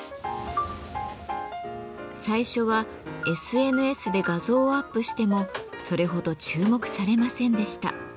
最初はＳＮＳで画像をアップしてもそれほど注目されませんでした。